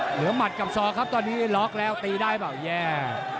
หมัดกับซอครับตอนนี้ล็อกแล้วตีได้เปล่าแย่